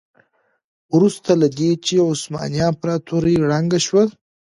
وروسته له دې چې عثماني امپراتوري ړنګه شوه.